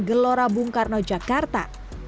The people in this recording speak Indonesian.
gelora bung karno jakarta